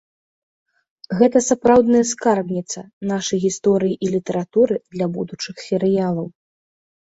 Гэта сапраўдная скарбніца нашай гісторыі і літаратуры для будучых серыялаў.